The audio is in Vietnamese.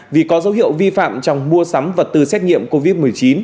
vì có dấu hiệu vi phạm trong mua sắm vật tư xét nghiệm covid một mươi chín